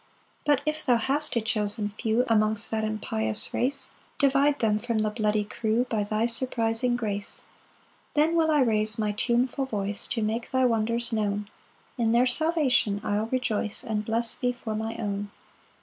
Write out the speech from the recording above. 7 But if thou hast a chosen few Amongst that impious race, Divide them from the bloody crew By thy surprising grace. 8 Then will I raise my tuneful voice To make thy wonders known; In their salvation I'll rejoice, And bless thee for my own.